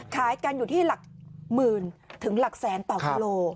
ขายกันอยู่ที่หลักหมื่นถึงหลักแสนต่อกิโล